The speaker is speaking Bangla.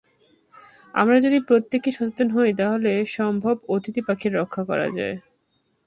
আমরা যদি প্রত্যেকে সচেতন হই, তাহলে সম্ভব অতিথি পাখি রক্ষা করা।